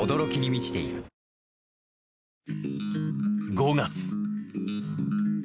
５月。